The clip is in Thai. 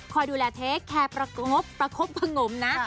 ดูแลเทคแคร์ประคบประคบประงมนะ